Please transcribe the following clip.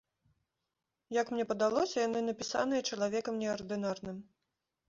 Як мне падалося, яны напісаныя чалавекам неардынарным.